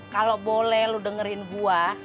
kalau boleh lo dengerin buah